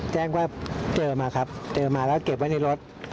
แจ้งว่าเจอมาครับเจอมาแล้วเก็บไว้ในรถ